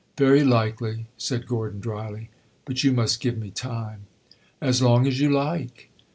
"Very likely," said Gordon, dryly. "But you must give me time." "As long as you like!"